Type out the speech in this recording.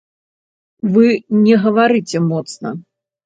Вы не гаварыце моцна.